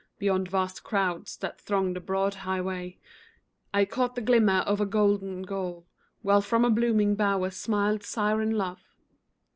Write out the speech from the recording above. Beyond vast crowds that thronged a broad highway I caught the glimmer of a golden goal, While from a blooming bower smiled siren Love.